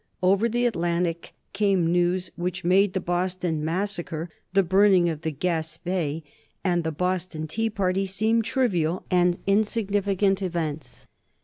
Over the Atlantic came news which made the Boston Massacre, the burning of the "Gaspee," and the Boston Tea party, seem trivial and insignificant events.